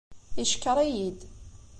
Yeckeṛ-iyi-d.